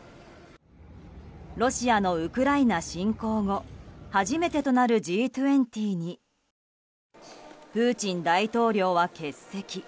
ロシアのウクライナ侵攻後初めてとなるＧ２０にプーチン大統領は欠席。